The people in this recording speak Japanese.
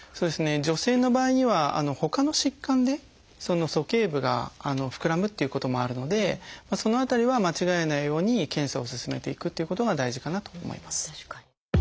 女性の場合にはほかの疾患で鼠径部がふくらむっていうこともあるのでその辺りは間違えないように検査を進めていくっていうことが大事かなと思います。